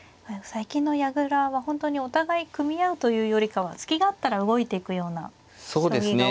最近の矢倉は本当にお互い組み合うというよりかは隙があったら動いていくような将棋が多いですね。